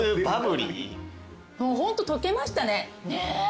ホントとけましたね。ね。